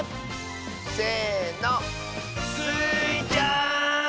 せの！スイちゃん！